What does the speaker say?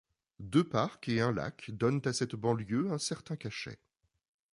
Deux parcs et un lac donnent à cette banlieue un certain cachet.